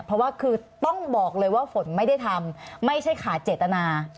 เพราะว่าคือต้องบอกเลยว่าฝนไม่ได้ทำไม่ใช่ขาดเจตนา